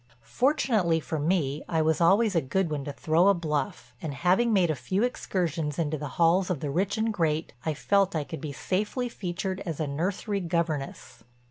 Fortunately for me, I was always a good one to throw a bluff and, having made a few excursions into the halls of the rich and great, I felt I could be safely featured as a nursery governess.